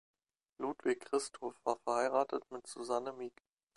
Ludwig Christof war verheiratet mit Susanne Mieg.